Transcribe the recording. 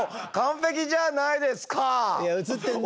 いやうつってんな。